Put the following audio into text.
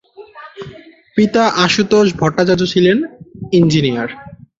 পিতা আশুতোষ ভট্টাচার্য ছিলেন ইঞ্জিনিয়ার।